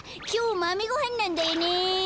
きょうまめごはんなんだよね。